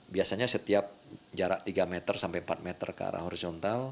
biasanya setiap jarak tiga meter sampai empat meter ke arah horizontal